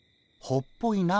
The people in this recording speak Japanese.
ほっぽいな？